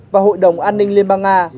và hội đồng an ninh liên bang nga